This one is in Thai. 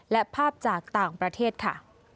และภาพจากต่างประเทศค่ะ